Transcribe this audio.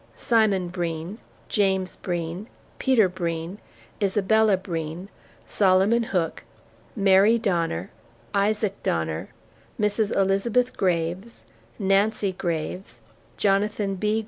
Simon Breen, James Breen, Peter Breen, Isabella Breen, Solomon Hook, Mary Donner, Isaac Donner, Mrs. Elizabeth Graves, Nancy Graves, Jonathan B.